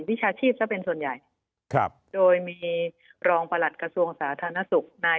วิชาชีพซะเป็นส่วนใหญ่ครับโดยมีรองประหลัดกระทรวงสาธารณสุขนาย